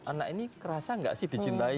anak ini kerasa nggak sih dicintai